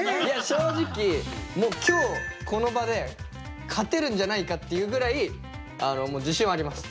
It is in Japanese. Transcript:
正直もう今日この場で勝てるんじゃないかっていうぐらい自信はあります。